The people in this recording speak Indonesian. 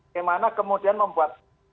gimana kemudian membuat